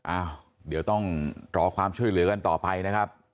อ้าวเดี๋ยวต้องรอความช่วยเหลือกันต่อไปนะครับ